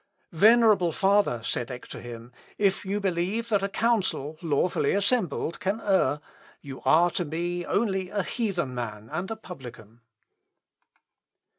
"Venerable father!" said Eck to him, "if you believe that a council, lawfully assembled, can err, you are to me only a heathen man and a publican."